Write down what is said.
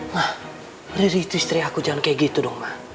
ma riri itu istri aku jangan kayak gitu dong ma